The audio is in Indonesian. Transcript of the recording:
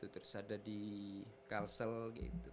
terus ada di kalsel gitu